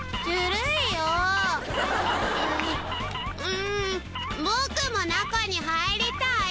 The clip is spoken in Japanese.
うん僕も中に入りたい！